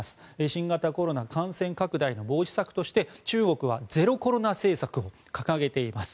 新型コロナ感染拡大の防止策として中国はゼロコロナ政策を掲げています。